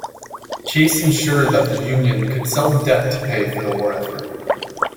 Chase ensured that the Union could sell debt to pay for the war effort.